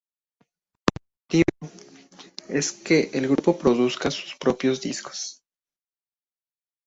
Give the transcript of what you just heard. El objetivo es que el grupo produzca sus propios discos.